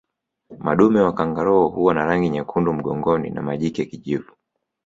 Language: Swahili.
Madume wa kangaroo huwa na rangi nyekundu mgongoni na majike kijivu